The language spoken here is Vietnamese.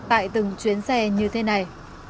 tại từng chuyến xe như thế này